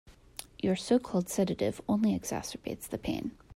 Your so-called sedative only exacerbates the pain.